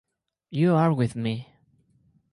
You are with me.